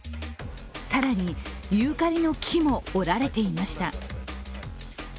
更にユーカリの木も折られていました。